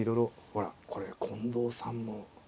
ほらこれ近藤さんの。